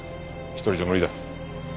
一人じゃ無理だ。